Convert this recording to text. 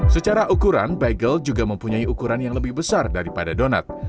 secara ukuran bagel juga mempunyai ukuran yang lebih besar daripada donat